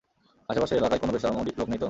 আশেপাশের এলাকায় কোনো বেসামরিক লোক নেই তো?